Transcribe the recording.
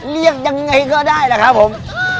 เรียกยังไงก็ได้ล่ะครับผม